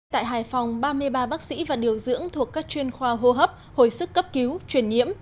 tại hải phòng ba mươi ba bác sĩ và điều dưỡng thuộc các chuyên khoa hô hấp hồi sức cấp cứu truyền nhiễm